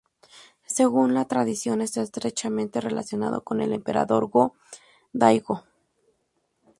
Según la tradición está estrechamente relacionado con el emperador Go-Daigo.